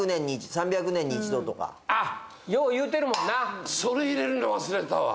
１００年にあっよう言うてるもんなそれ入れるの忘れたわ